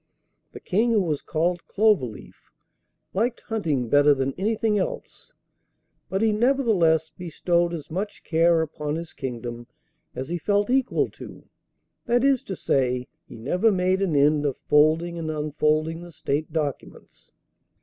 The King, who was called Cloverleaf, liked hunting better than anything else; but he nevertheless bestowed as much care upon his kingdom as he felt equal to that is to say, he never made an end of folding and unfolding the State documents.